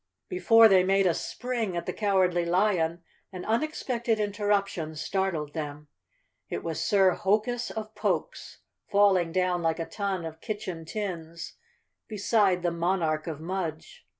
Before they made a spring at the Cowardly Lion an unexpected interruption startled them. It was Sir Hokus of Pokes, falling down like a ton of kitchen tins beside the monarch of Mudge.